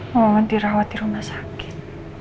mama mesti rawat di rumah sakit